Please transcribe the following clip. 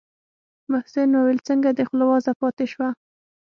محسن وويل څنگه دې خوله وازه پاته شوه.